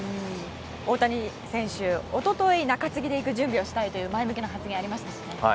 大谷選手、一昨日中継ぎで行く準備をしたいと前向きな発言がありましたしね。